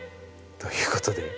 ということで。